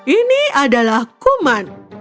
ini adalah kuman